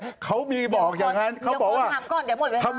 เอ้าไม่เขามีบอกอย่างนั้นเขาบอกว่าเดี๋ยวพอถามก่อนเดี๋ยวหมดไว้ค่ะ